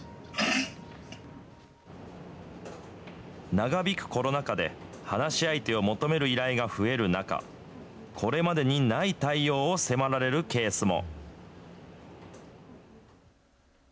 長引くコロナ禍で、話し相手を求める依頼が増える中、これまでにない対応を迫られるケースも。